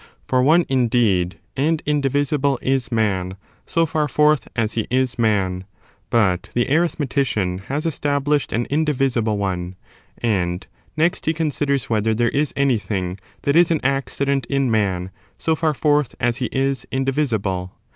For one, indeed, and indivisible is man, so thmeti far forth as he is man; but the arithmetician and geometry has established an indivisible one; and next pro'^e^hatTtis. he considers whether there is anything that is an accident in man so &r forth as he is indivisible.